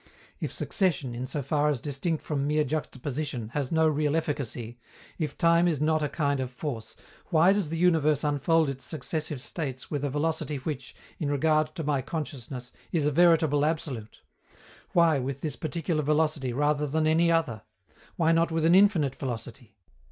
If succession, in so far as distinct from mere juxtaposition, has no real efficacy, if time is not a kind of force, why does the universe unfold its successive states with a velocity which, in regard to my consciousness, is a veritable absolute? Why with this particular velocity rather than any other? Why not with an infinite velocity?